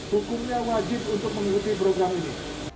hukumnya wajib untuk mengikuti program ini